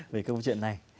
về câu chuyện này